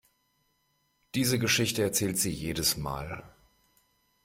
Diese Geschichte erzählt sie jedes Mal.